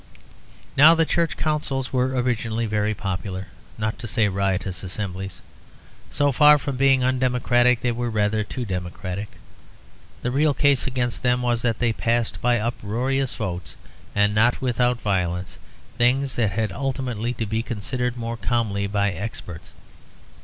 Now the Church Councils were originally very popular, not to say riotous assemblies. So far from being undemocratic, they were rather too democratic; the real case against them was that they passed by uproarious votes, and not without violence, things that had ultimately to be considered more calmly by experts.